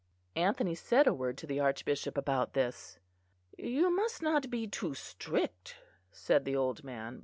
Anthony said a word to the Archbishop about this. "You must not be too strict," said the old man.